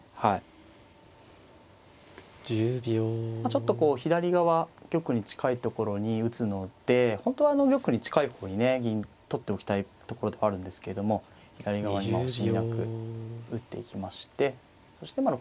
ちょっとこう左側玉に近いところに打つので本当は玉に近い方にね銀取っておきたいところではあるんですけども左側に惜しみなく打っていきましてそしてまあ